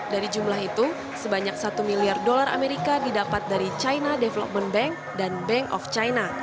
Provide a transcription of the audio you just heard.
dari jumlah itu sebanyak satu miliar dolar amerika didapat dari china development bank dan bank of china